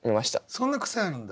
そんな癖あるんだ？